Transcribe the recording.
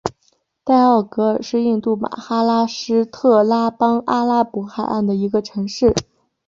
代奥格尔是印度马哈拉施特拉邦阿拉伯海岸的一个城市。